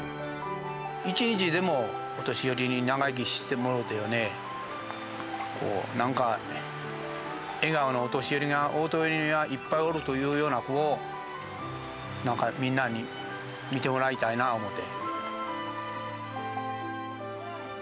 一日でもお年寄りに長生きしてもろうて、なんか、笑顔のお年寄りが大豊にはいっぱいおるというようなところを、なんかみんなに見てもらいたいな思って。